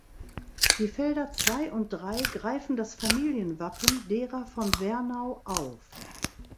Die Felder zwei und drei greifen das Familienwappen derer von Wernau auf.